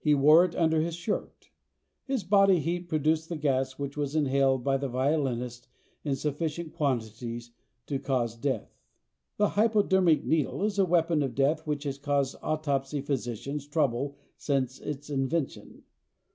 He wore it under his shirt. His body heat produced the gas which was inhaled by the violinist in sufficient quantities to cause death. The hypodermic needle is a weapon of death which has caused autopsy physicians trouble since its invention.